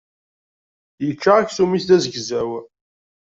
Yečča aksum-is d azegzaw.